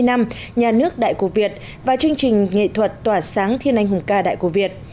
nhà nước đại cổ việt và chương trình nghệ thuật tỏa sáng thiên anh hùng ca đại cổ việt